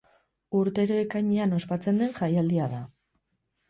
Urtero ekainean ospatzen den jaialdia da.